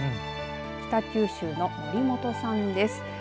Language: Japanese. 北九州市の森本さんです。